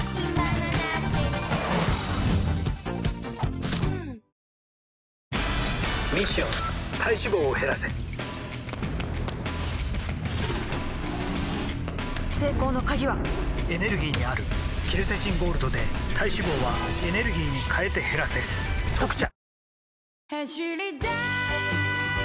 ミッション体脂肪を減らせ成功の鍵はエネルギーにあるケルセチンゴールドで体脂肪はエネルギーに変えて減らせ「特茶」